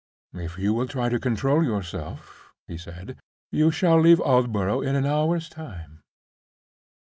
"If you will try to control yourself," he said, "you shall leave Aldborough in an hour's time."